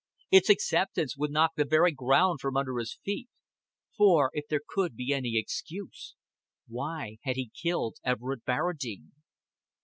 Its acceptance would knock the very ground from under his feet. For, if there could be any excuse, why had he killed Everard Barradine?